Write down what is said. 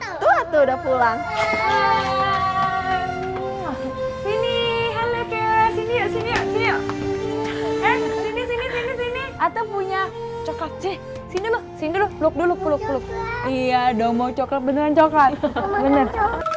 atau sudah pulang sini sini sini sini sini sini sini sini dulu iya dong mau coklat beneran coklat